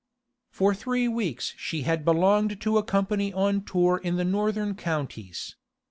For three weeks she had belonged to a company on tour in the northern counties.